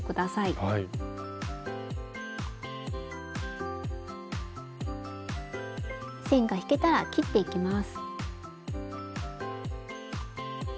スタジオ線が引けたら切っていきます。